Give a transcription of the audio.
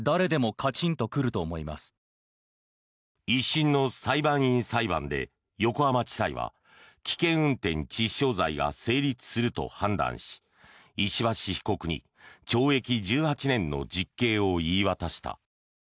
１審の裁判員裁判で横浜地裁は危険運転致死傷罪が成立すると判断し石橋被告に懲役１８年の実刑を言い渡した。